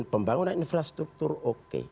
pembangunan infrastruktur oke